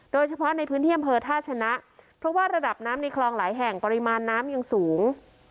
โดยเฉพาะในพื้นที่อำเภอท่าชนะเพราะว่าระดับน้ำในคลองหลายแห่งปริมาณน้ำยังสูง